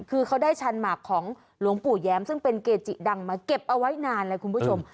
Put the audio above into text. คือเขาได้ชันหมากของหลวงปู่แย้มซึ่งเป็นเกจิดังมาเก็บเอาไว้นานเลยคุณผู้ชม